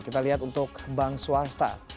kita lihat untuk bank swasta